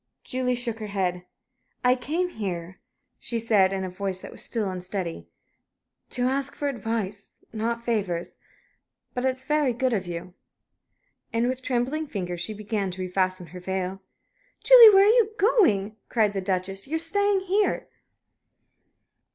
Julie shook her head. "I came here," she said, in a voice that was still unsteady, "to ask for advice, not favors. But it's very good of you." And with trembling fingers she began to refasten her veil. "Julie! where are you going?" cried the Duchess "You're staying here."